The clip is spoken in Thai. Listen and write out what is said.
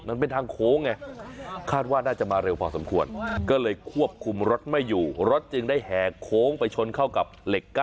มันเป็นทางโค้งไงคาดว่าน่าจะมาเร็วพอสมควรก็เลยควบคุมรถไม่อยู่รถจึงได้แห่โค้งไปชนเข้ากับเหล็ก๙